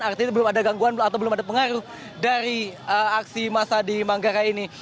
artinya belum ada gangguan atau belum ada pengaruh dari aksi massa di manggarai ini